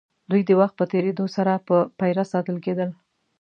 دوی د وخت په تېرېدو سره په پېره ساتل کېدل.